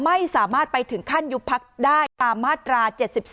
ไม่สามารถไปถึงขั้นยุบพักได้ตามมาตรา๗๒